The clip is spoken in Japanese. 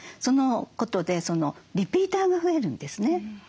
そのことでリピーターが増えるんですね。